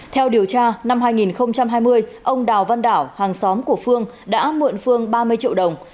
theo điều tra năm hai nghìn hai mươi ông đào văn đảo hàng xóm của phương đã mượn phương ba mươi triệu đồng